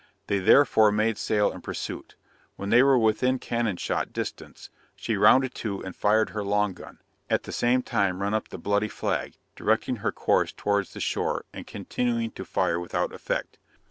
They therefore made sail in pursuit. When they were within cannon shot distance, she rounded to and fired her long gun, at the same time run up the bloody flag, directing her course towards the shore, and continuing to fire without effect.